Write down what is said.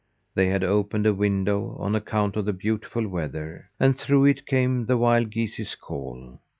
They had opened a window on account of the beautiful weather, and through it came the wild geese's call.